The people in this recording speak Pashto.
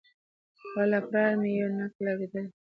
خو له پلاره مي یو نکل اورېدلی